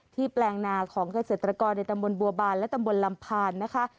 แปลงนาของเกษตรกรในตำบลบัวบานและตำบลลำพานนะคะ